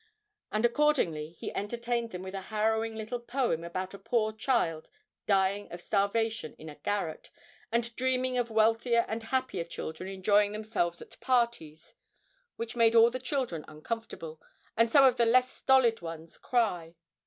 And accordingly he entertained them with a harrowing little poem about a poor child dying of starvation in a garret, and dreaming of wealthier and happier children enjoying themselves at parties, which made all the children uncomfortable, and some of the less stolid ones cry.